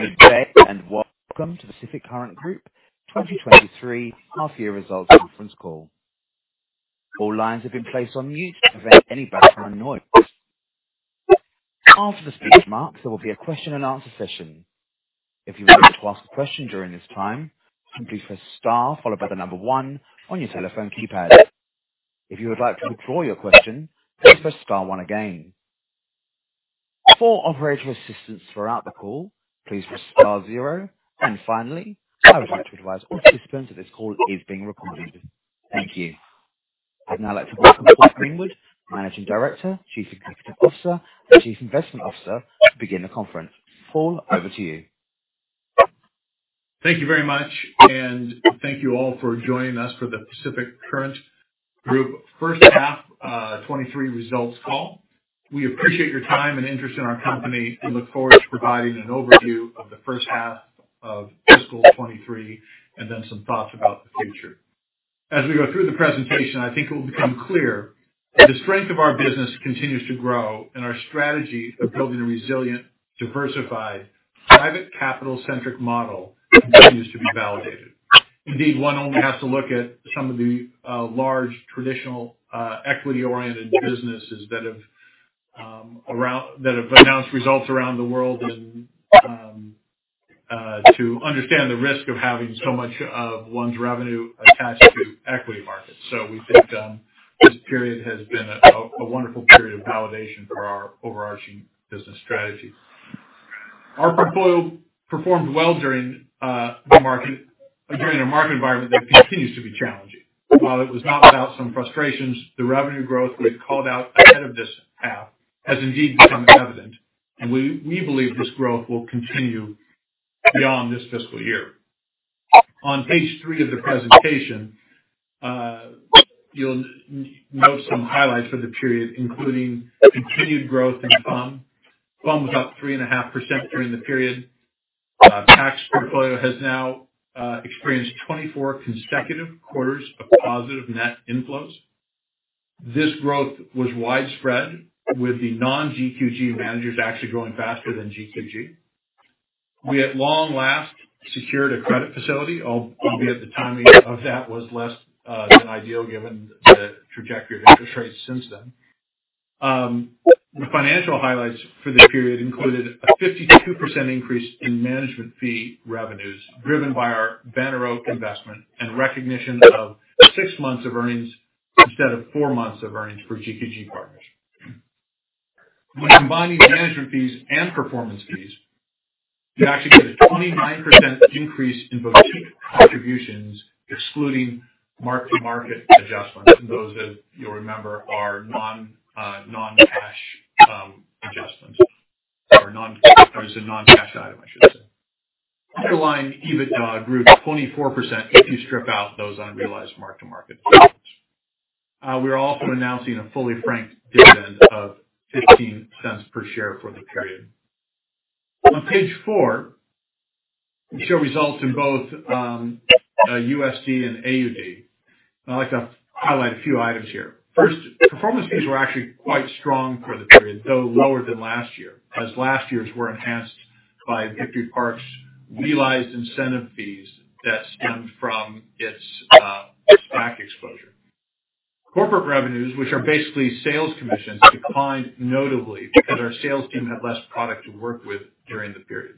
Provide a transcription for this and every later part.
Good day, welcome to Pacific Current Group 2023 half year results conference call. All lines have been placed on mute to prevent any background noise. After the speech marks, there will be a question-and-answer session. If you would like to ask a question during this time, simply press Star followed by 1 on your telephone keypad. If you would like to withdraw your question, please press star one again. For operational assistance throughout the call, please press star zero. Finally, I would like to advise all participants that this call is being recorded. Thank you. I'd now like to welcome Paul Greenwood, Managing Director, Chief Executive Officer, and Chief Investment Officer, to begin the conference. Paul, over to you. Thank you very much, and thank you all for joining us for the Pacific Current Group H1 23 results call. We appreciate your time and interest in our company. We look forward to providing an overview of the H1 of fiscal 2023 and then some thoughts about the future. As we go through the presentation, I think it will become clear that the strength of our business continues to grow and our strategy of building a resilient, diversified, private capital-centric model continues to be validated. Indeed, one only has to look at some of the large traditional equity-oriented businesses that have announced results around the world and to understand the risk of having so much of one's revenue attached to equity markets. We think this period has been a wonderful period of validation for our overarching business strategy. Our portfolio performed well during a market environment that continues to be challenging. While it was not without some frustrations, the revenue growth we had called out ahead of this half has indeed become evident. We believe this growth will continue beyond this fiscal year. On page three of the presentation, you'll note some highlights for the period, including continued growth in FUM. FUM was up 3.5% during the period. PAC's portfolio has now experienced 24 consecutive quarters of positive net inflows. This growth was widespread with the non-GQG managers actually growing faster than GQG. We at long last secured a credit facility, albeit the timing of that was less than ideal given the trajectory of interest rates since then. The financial highlights for the period included a 52% increase in management fee revenues, driven by our Banner Oak investment and recognition of six months of earnings instead of four months of earnings for GQG Partners. When combining management fees and performance fees, you actually get a 29% increase in boutique contributions, excluding mark-to-market adjustments. Those that you'll remember are non non-cash adjustments or it's a non-cash item, I should say. Underlying EBITDA grew 24% if you strip out those unrealized mark-to-market gains. We're also announcing a fully franked dividend of 0.15 per share for the period. On page four, we show results in both USD and AUD. I'd like to highlight a few items here. First, performance fees were actually quite strong for the period, though lower than last year, as last year's were enhanced by Victory Park's realized incentive fees that stemmed from its SPAC exposure. Corporate revenues, which are basically sales commissions, declined notably because our sales team had less product to work with during the period.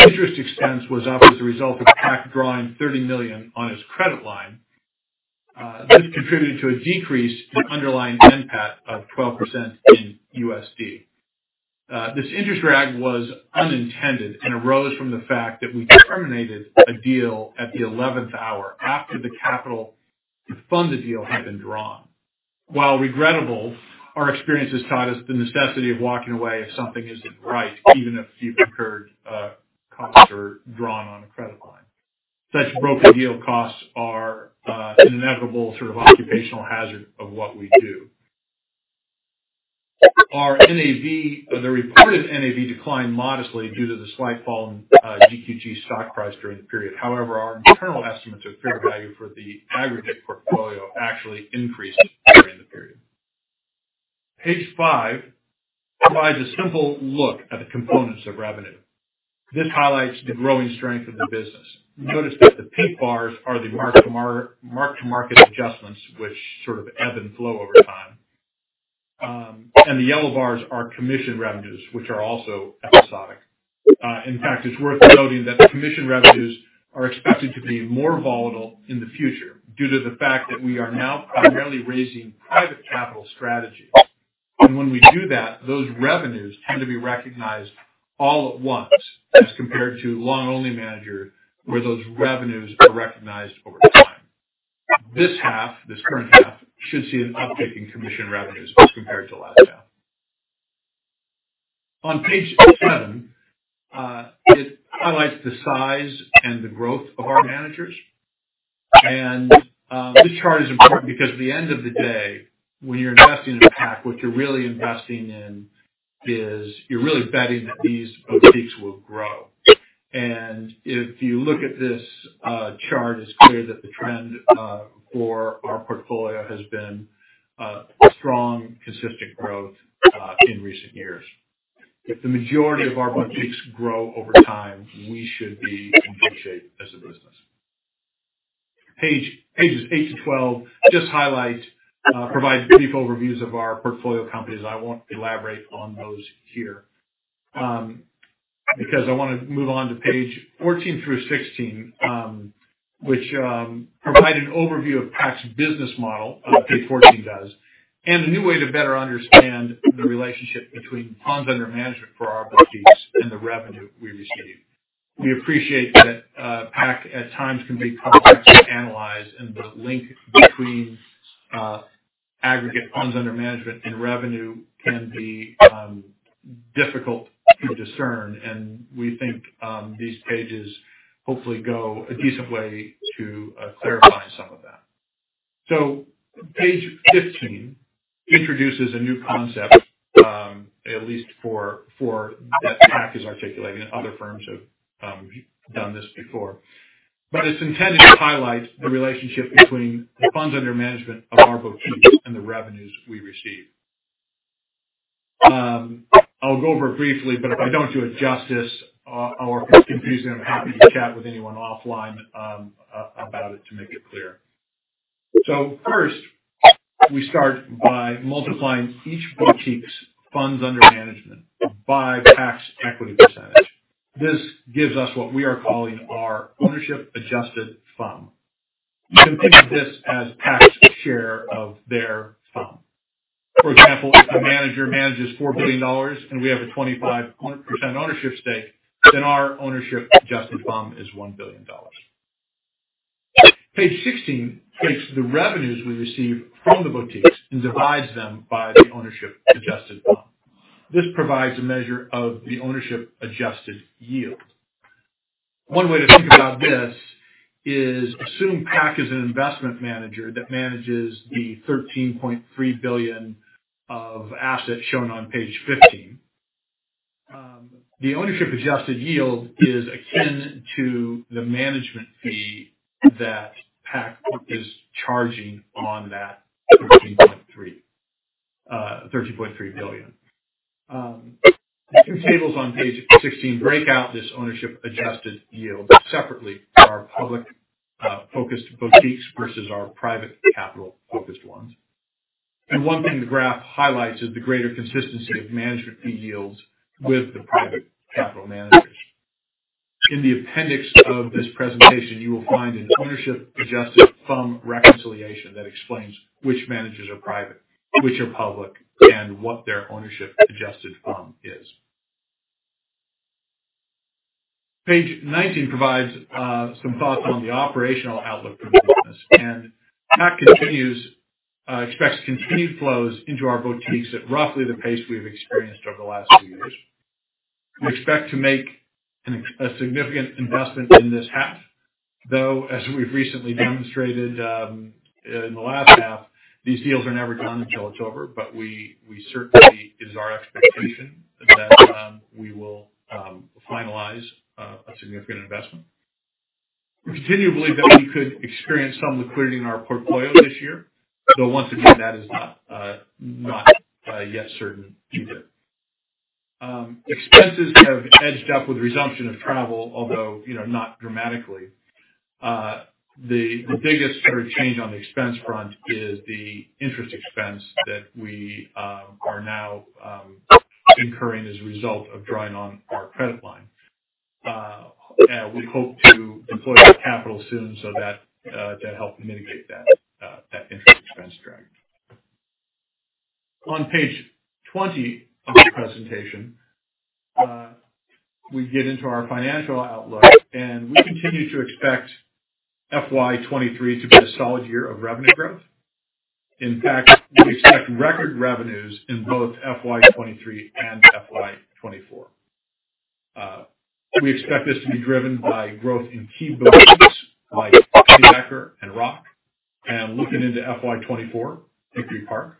Interest expense was up as a result of PAC drawing $30 million on its credit line. This contributed to a decrease in underlying NPAT of 12% in USD. This interest drag was unintended and arose from the fact that we terminated a deal at the eleventh hour after the capital to fund the deal had been drawn. While regrettable, our experience has taught us the necessity of walking away if something isn't right, even if you've incurred costs or drawn on a credit line. Such broken deal costs are an inevitable sort of occupational hazard of what we do. Our NAV, the reported NAV declined modestly due to the slight fall in GQG stock price during the period. Our internal estimates of fair value for the aggregate portfolio actually increased during the period. Page five provides a simple look at the components of revenue. This highlights the growing strength of the business. You notice that the pink bars are the mark-to-market adjustments, which sort of ebb and flow over time. The yellow bars are commission revenues, which are also episodic. In fact, it's worth noting that the commission revenues are expected to be more volatile in the future due to the fact that we are now primarily raising private capital strategies. When we do that, those revenues tend to be recognized all at once as compared to long-only manager, where those revenues are recognized over time. This half, this current half, should see an uptick in commission revenues as compared to last half. On page seven, it highlights the size and the growth of our managers. This chart is important because at the end of the day, when you're investing in a PAC, what you're really investing in is you're really betting that these boutiques will grow. If you look at this chart, it's clear that the trend for our portfolio has been strong, consistent growth in recent years. If the majority of our boutiques grow over time, we should be in good shape as a business. pages eight to 12 just highlight, provide brief overviews of our portfolio companies. I won't elaborate on those here, because I wanna move on to page 14 through 16, which provide an overview of PAC's business model, page 14 does, and a new way to better understand the relationship between funds under management for our boutiques and the revenue we receive. We appreciate that PAC at times can be complex to analyze, and the link between aggregate funds under management and revenue can be difficult to discern. We think these pages hopefully go a decent way to clarify some of that. page 15 introduces a new concept, at least for that PAC is articulating. Other firms have done this before. It's intended to highlight the relationship between the funds under management of our boutiques and the revenues we receive. I'll go over it briefly, but if I don't do it justice or if it's confusing, I'm happy to chat with anyone offline about it to make it clear. First, we start by multiplying each boutique's funds under management by PAC's equity percentage. This gives us what we are calling our ownership adjusted fund. You can think of this as PAC's share of their fund. For example, if a manager manages $4 billion and we have a 25% ownership stake, then our ownership adjusted fund is $1 billion. Page 16 takes the revenues we receive from the boutiques and divides them by the ownership adjusted fund. This provides a measure of the ownership adjusted yield. One way to think about this is assume PAC is an investment manager that manages the 13.3 billion of assets shown on page 15. The ownership adjusted yield is akin to the management fee that PAC is charging on that 13.3 billion. The two tables on page 16 break out this ownership adjusted yield separately for our public-focused boutiques versus our private capital-focused ones. One thing the graph highlights is the greater consistency of management fee yields with the private capital managers. In the appendix of this presentation, you will find an ownership adjusted fund reconciliation that explains which managers are private, which are public, and what their ownership adjusted fund is. Page 19 provides some thoughts on the operational outlook for the business. PAC continues expects continued flows into our boutiques at roughly the pace we've experienced over the last few years. We expect to make a significant investment in this half, though, as we've recently demonstrated in the last half, these deals are never done until it's over, but we certainly is our expectation that we will finalize a significant investment. We continue to believe that we could experience some liquidity in our portfolio this year, though once again, that is not not yet certain either. Expenses have edged up with resumption of travel, although, you know, not dramatically. The biggest sort of change on the expense front is the interest expense that we are now incurring as a result of drawing on our credit line. We hope to deploy that capital soon so that to help mitigate that interest expense drag. On page 20 of the presentation, we get into our financial outlook. We continue to expect FY 23 to be a solid year of revenue growth. In fact, we expect record revenues in both FY 23 and FY 24. We expect this to be driven by growth in key boutiques like Pennybacker and Roc, and looking into FY 24, Victory Park.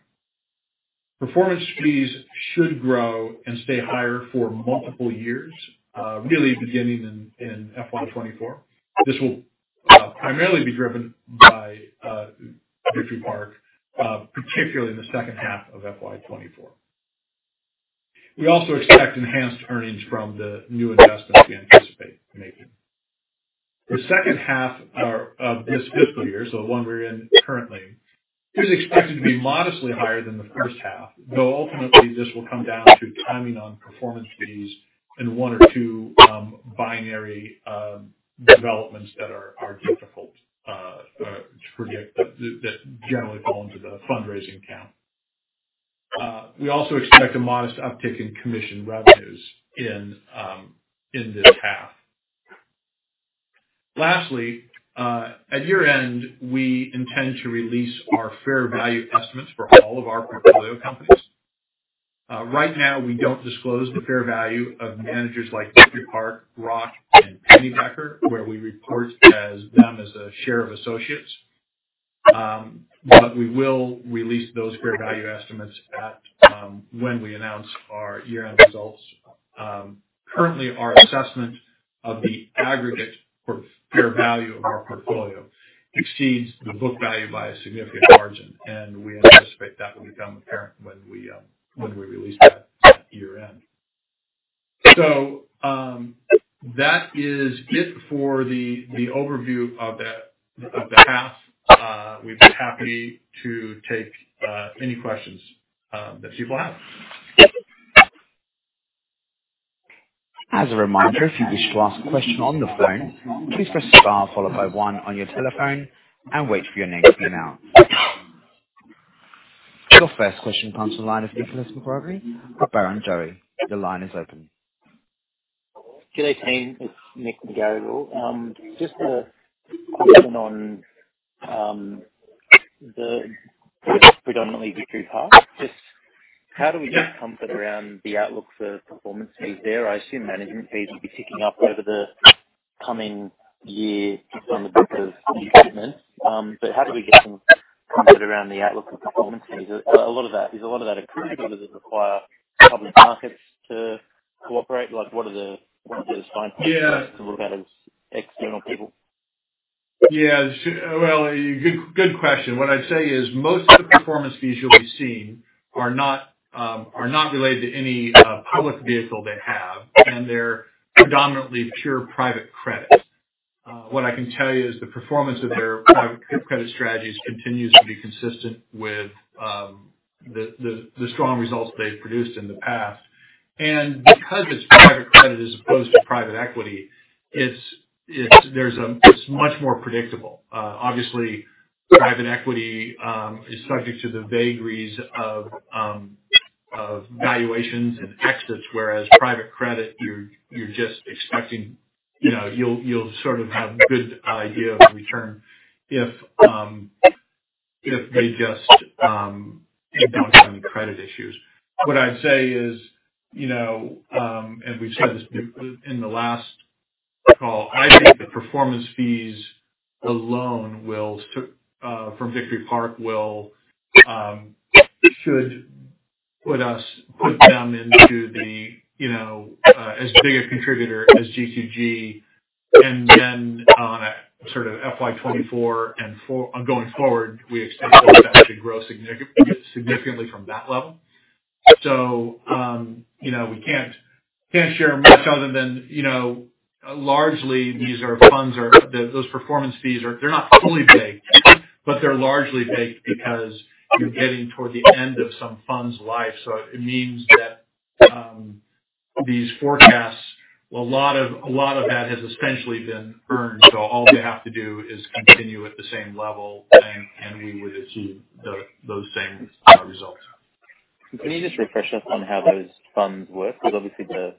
Performance fees should grow and stay higher for multiple years, really beginning in FY 24. This will primarily be driven by Victory Park, particularly in the H2 of FY 24. We also expect enhanced earnings from the new investments we anticipate making. The H2 are, of this fiscal year, so one we're in currently, is expected to be modestly higher than the first half, though ultimately this will come down to timing on performance fees and one or two binary developments that are difficult to predict, but that generally fall into the fundraising camp. We also expect a modest uptick in commission revenues in this half. Lastly, at year-end, we intend to release our fair value estimates for all of our portfolio companies. Right now, we don't disclose the fair value of managers like Victory Park, Roc, and Pennybacker, where we report them as a share of associates. We will release those fair value estimates at when we announce our year-end results. Currently our assessment of the aggregate for fair value of our portfolio exceeds the book value by a significant margin. We anticipate that will become apparent when we when we release that at year-end. That is it for the overview of the half. We'd be happy to take any questions that people have. As a reminder, if you wish to ask a question on the phone, please press star followed by one on your telephone and wait for your name to be announced. Your first question comes from the line of Nicholas McGarr with Barrenjoey. Your line is open. G'day team. It's Nick McGarrigle. Just a question on predominantly Victory Park, just how do we get comfort around the outlook for performance fees there? I assume management fees will be ticking up over the coming year just on the book of new business. How do we get comfort around the outlook for performance fees? Is a lot of that accrued, or does it require public markets to cooperate? Like, what are the fine points for us to look at as external people? Well, good question. What I'd say is most of the performance fees you'll be seeing are not related to any public vehicle they have, and they're predominantly pure private credit. What I can tell you is the performance of their private credit strategies continues to be consistent with the strong results they've produced in the past. Because it's private credit as opposed to private equity, it's much more predictable. Obviously, private equity is subject to the vagaries of valuations and exits, whereas private credit, you're just expecting, you know, you'll sort of have good idea of the return if they just don't have any credit issues. What I'd say is, you know, and we've said this in the last call, I think the performance fees alone will from Victory Park will should put us, put them into the, you know, as big a contributor as GQG. On a sort of FY 2024 going forward, we expect those stats to grow significantly from that level. We can't share much other than, you know, largely these are funds or those performance fees are, they're not fully baked, but they're largely baked because you're getting toward the end of some fund's life. It means that these forecasts, a lot of that has essentially been earned. All we have to do is continue at the same level and we would achieve those same results. Can you just refresh us on how those funds work? Because obviously the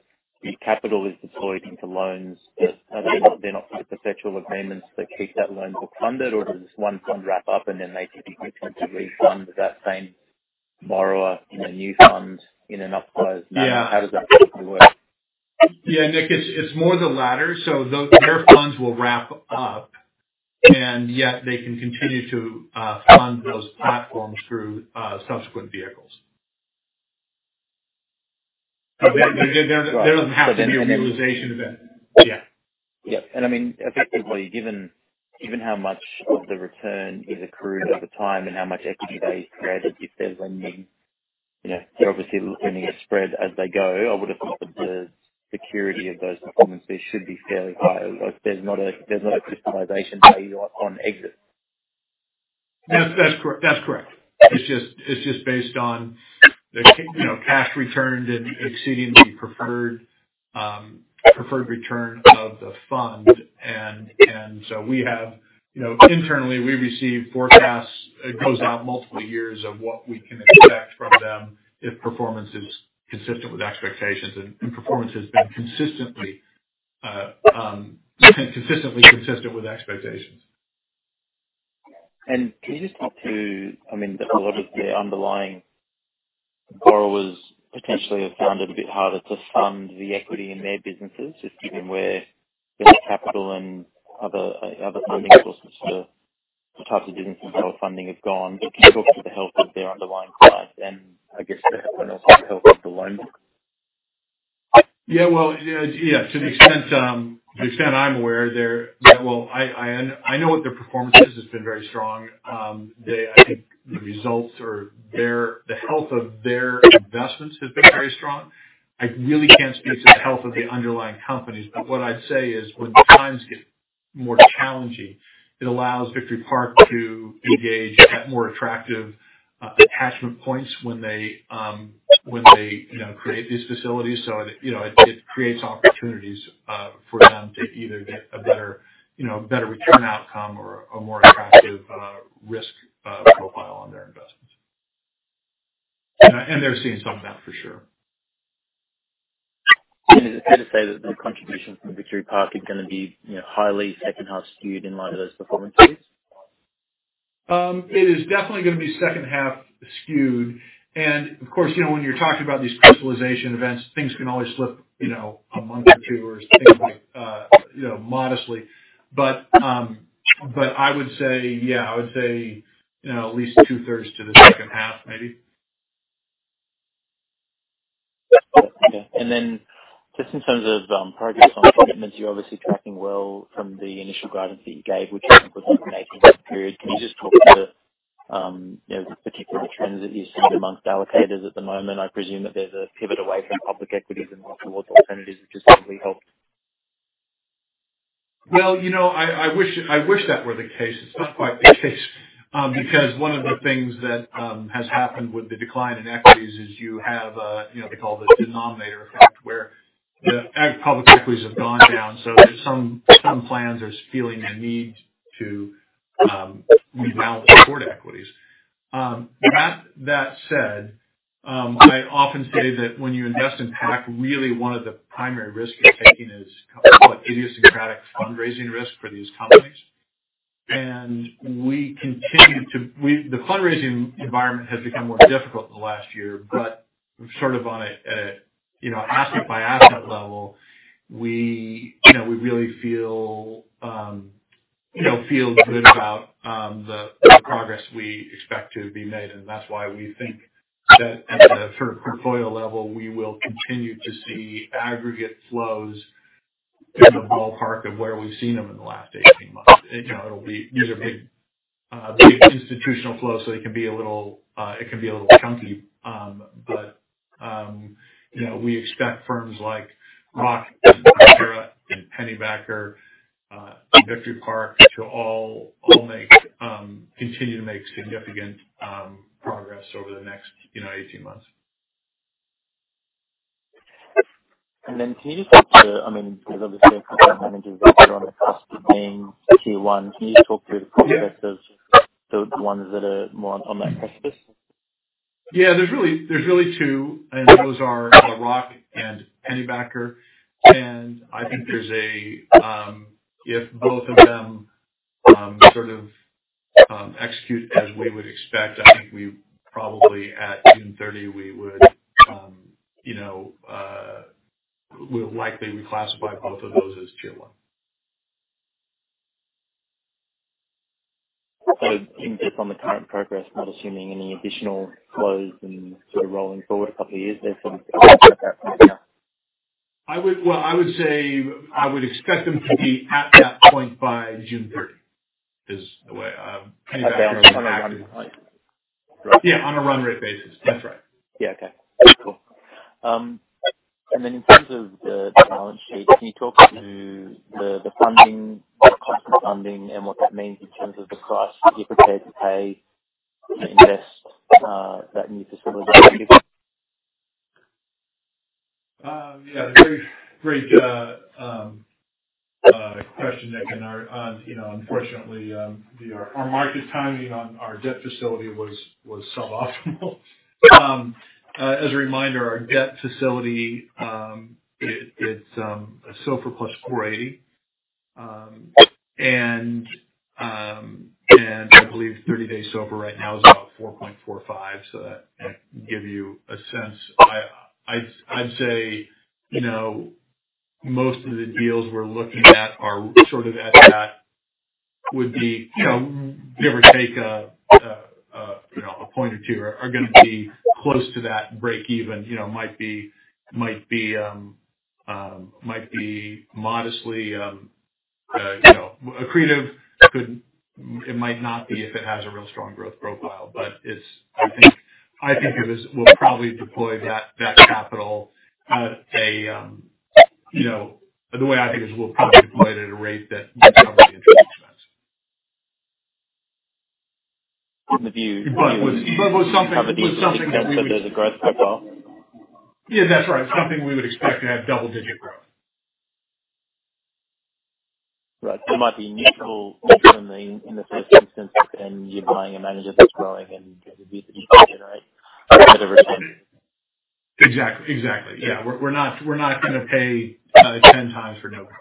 capital is deployed into loans. Are they not perpetual amendments that keep that loan book funded or does this one fund wrap up and then they typically look to refund that same borrower in a new fund in an upsized manner? Yeah. How does that typically work? Yeah, Nick, it's more the latter. Their funds will wrap up, and yet they can continue to fund those platforms through subsequent vehicles. There doesn't have to be a realization event. Yeah. Yeah. I mean, effectively, given how much of the return is accrued at the time and how much equity they've created, if they're lending, you know, they're obviously looking at spread as they go. I would have thought that the security of those performance fees should be fairly high. Like, there's not a crystallization value on exit. That's correct. That's correct. It's just based on you know, cash returned and exceeding the preferred return of the fund. So we have, you know, internally, we receive forecasts. It goes out multiple years of what we can expect from them if performance is consistent with expectations. Performance has been consistently consistent with expectations. Can you just talk to, I mean, a lot of the underlying borrowers potentially have found it a bit harder to fund the equity in their businesses, just given where the capital and other funding sources for the types of businesses they were funding have gone. Can you talk to the health of their underlying clients and I guess the health of the loan book? Yeah. Well, yeah, to the extent, to the extent I'm aware. Well, I know what their performance is. It's been very strong. I think the results or their, the health of their investments has been very strong. I really can't speak to the health of the underlying companies. What I'd say is, when times get more challenging, it allows Victory Park to engage at more attractive attachment points when they, when they, you know, create these facilities. It, you know, it creates opportunities for them to either get a better, you know, a better return outcome or a more attractive risk profile on their investments. They're seeing some of that for sure. Is it fair to say that the contribution from Victory Park is gonna be, you know, highly H2 skewed in light of those performance fees? It is definitely gonna be H2 skewed. Of course, you know, when you're talking about these crystallization events, things can always slip, you know, a month or two, or things like, you know, modestly. I would say, yeah, I would say, you know, at least two-thirds to the H2, maybe. Okay. Just in terms of progress on commitments, you're obviously tracking well from the initial guidance that you gave, which was an 18-month period. Can you just talk to the, you know, the particular trends that you see amongst allocators at the moment? I presume that there's a pivot away from public equities and more towards alternatives, which has probably helped. Well, you know, I wish, I wish that were the case. It's not quite the case. Because one of the things that has happened with the decline in equities is you have, you know, they call this denominator effect, where public equities have gone down. There's some plans are feeling a need to rebalance toward equities. That said, I often say that when you invest in PAC, really one of the primary risk you're taking is called idiosyncratic fundraising risk for these companies. We continue to the fundraising environment has become more difficult in the last year, but sort of on a, you know, asset by asset level, we, you know, we really feel, you know, feel good about the progress we expect to be made. That's why we think that at a sort of portfolio level, we will continue to see aggregate flows in the ballpark of where we've seen them in the last 18 months. You know, These are big institutional flows, so it can be a little, it can be a little chunky. You know, we expect firms like Roc and EAM and Pennybacker, Victory Park to all make, continue to make significant progress over the next, you know, 18 months. Can you just talk to, I mean, because obviously a couple of managers are on the cusp of being T1, can you just talk through the progress? Yeah. the ones that are more on that cusp? Yeah. There's really two, and those are Roc and Pennybacker. I think there's a, if both of them sort of execute as we would expect, I think we probably at June 30th we would, you know, we'll likely reclassify both of those as tier one. Even just on the current progress, not assuming any additional flows and sort of rolling forward a couple of years, they're sort of at that point now. Well, I would say I would expect them to be at that point by June 30th, is the way Pennybacker and Roc. On a run rate basis. Yeah, on a run rate basis. That's right. Yeah. Okay. Cool. In terms of the balance sheet, can you talk to the funding, cost of funding and what that means in terms of the price you're prepared to pay to invest that new facility? Great question, Nick. You know, unfortunately, our market timing on our debt facility was suboptimal. As a reminder, our debt facility, it's a SOFR plus 40. I believe 30-day SOFR right now is about 4.45. That can give you a sense. I'd say, you know, most of the deals we're looking at are sort of at that would be, you know, give or take, a point or two, are gonna be close to that breakeven. Might be modestly, you know, accretive. It might not be if it has a real strong growth profile, but it's... I think we'll probably deploy that capital at a, you know. The way I think is we'll probably deploy it at a rate that will cover the interest expense. In the view- Was something that we would. There's a growth profile. Yeah. That's right. Something we would expect to have double digit growth. Right. It might be neutral in the, in the first instance, and you're buying a manager that's growing, and it would be the decision, right? Exactly. Exactly. Yeah. We're not gonna pay 10 times for no growth.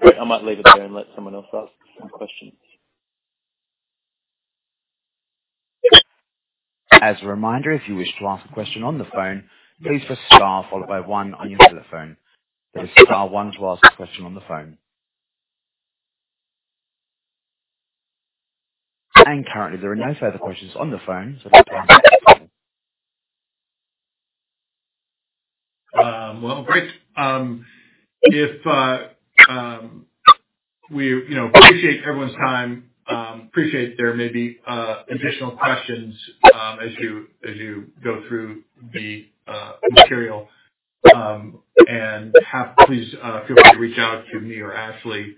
Great. I might leave it there and let someone else ask some questions. As a reminder, if you wish to ask a question on the phone, please press star followed by one on your telephone. That is star one to ask a question on the phone. Currently, there are no further questions on the phone, so Well, great. We, you know, appreciate everyone's time. Appreciate there may be additional questions as you go through the material. Please feel free to reach out to me or Ashley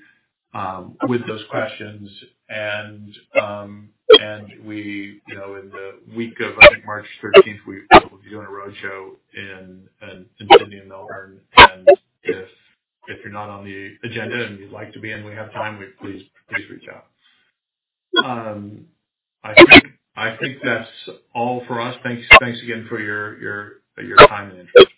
with those questions. We, you know, in the week of, I think March 13th, we'll be doing a roadshow in Sydney and Melbourne. If you're not on the agenda and you'd like to be and we have time, please reach out. I think that's all for us. Thanks again for your time and interest.